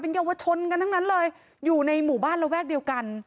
เยาวชนกันทั้งนั้นเลยอยู่ในหมู่บ้านระแวกเดียวกัน